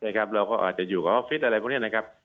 เราก็อาจจะอยู่กับออฟฟิศอะไรพวกนี้นะครับ